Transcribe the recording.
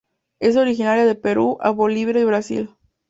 Es originaria de Perú a Bolivia y Brasil.